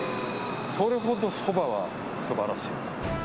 それほど、そばは素晴らしいです。